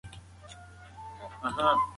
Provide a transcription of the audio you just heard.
هغه په خپلې غړکۍ کې پټه موسکا لري.